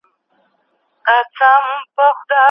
آیا د مسمومیت نښې نښانې په پښو کې د درد سبب کیږي؟